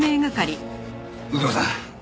右京さん